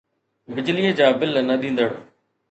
بجليءَ جا بل نه ڏيندڙ